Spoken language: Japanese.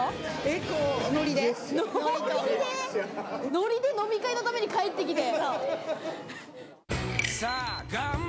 ノリで飲み会のために帰ってきたんだ！